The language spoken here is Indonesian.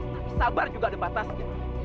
tapi sabar juga ada batasnya